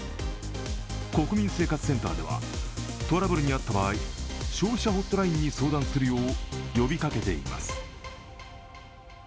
国民生活センターではトラブルに遭った場合消費者ホットラインに相談するよう呼びかけています。